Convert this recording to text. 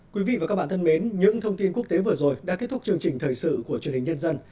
quý vị và các bạn thân mến những thông tin quốc tế vừa rồi đã kết thúc chương trình thời sự của truyền hình nhân dân